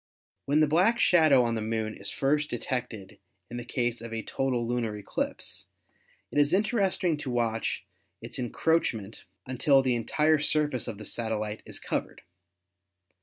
When the black shadow on the Moon is first detected in the case of a total lunar eclipse, it is interesting to watch its encroachment until the entire surface of the satellite is covered.